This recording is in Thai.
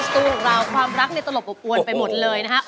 ด้านล่างเขาก็มีความรักให้กันนั่งหน้าตาชื่นบานมากเลยนะคะ